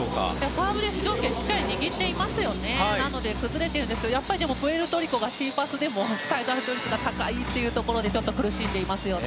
サーブで主導権をしっかり握っているので崩していますがプエルトリコがＣパスでもサイドアウト率が高いことでちょっと苦しんでいますね。